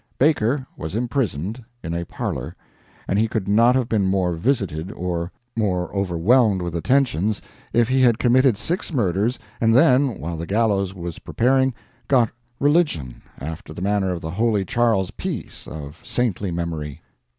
Baker was "imprisoned" in a parlor; and he could not have been more visited, or more overwhelmed with attentions, if he had committed six murders and then while the gallows was preparing "got religion" after the manner of the holy Charles Peace, of saintly memory.